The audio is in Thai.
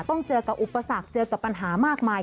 ต้องเจอกับอุปสรรคเจอกับปัญหามากมาย